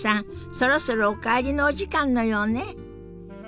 そろそろお帰りのお時間のようね。